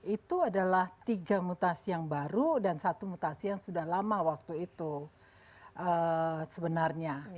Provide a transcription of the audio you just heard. itu adalah tiga mutasi yang baru dan satu mutasi yang sudah lama waktu itu sebenarnya